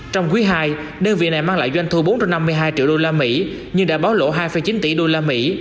trong quý hai nâng vị này mang lại doanh thu bốn năm mươi hai triệu usd nhưng đã báo lộ hai chín tỷ usd